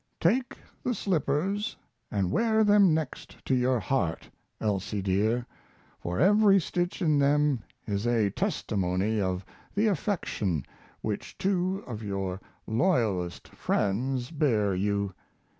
Take the slippers and wear them next your heart, Elsie dear; for every stitch in them is a testimony of the affection which two of your loyalest friends bear you.